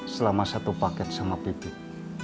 selama satu paket sama pipit